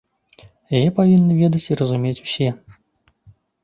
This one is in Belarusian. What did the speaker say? Яе павінны ведаць і разумець усе.